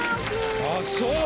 あぁそう！